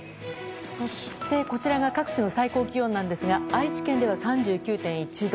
そして、こちらが各地の最高気温なんですが愛知県では、３９．１度。